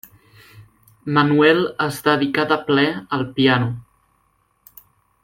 Manuel es dedicà de ple al piano.